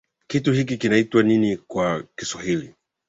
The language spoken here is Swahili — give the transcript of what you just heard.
Kitu hiki kinaitwa nini kwa Kiswahili?